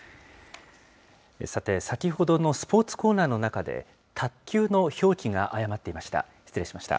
さて、先ほどのスポーツコーナーの中で、卓球の表記が誤っていました。